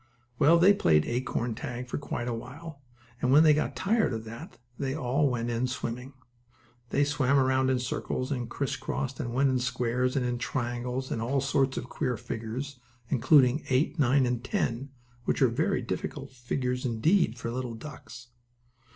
Well, they played acorn tag for quite a while, and, when they got tired of that they all went in swimming. They swam around in circles, and criss crossed and went in squares, and in triangles and all sorts of queer figures, including eight, nine, ten, which are very difficult figures, indeed, for little ducks.